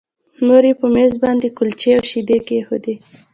مور یې په مېز باندې کلچې او شیدې کېښودې